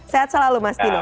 sehat selalu mas dino